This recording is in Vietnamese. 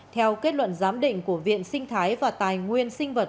theo kết luận giám định của viện sinh thái và tài nguyên sinh vật